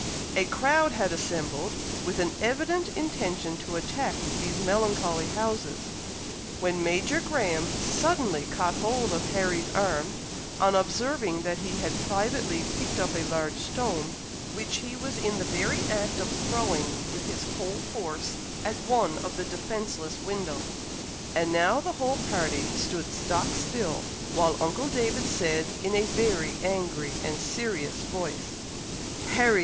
A crowd had assembled, with an evident intention to attack these melancholy houses, when Major Graham suddenly caught hold of Harry's arm, on observing that he had privately picked up a large stone, which he was in the very act of throwing with his whole force at one of the defenceless windows. And now the whole party stood stock still, while uncle David said in a very angry and serious voice, "Harry!